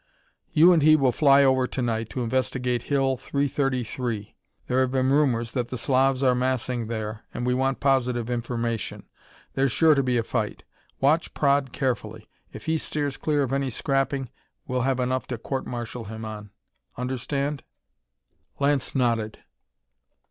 "You and he will fly over to night to investigate Hill 333. There have been rumors that the Slavs are massing there, and we want positive information. There's sure to be a fight. Watch Praed carefully. If he steers clear of any scrapping, well have enough to court martial him on. Understand?" Lance nodded.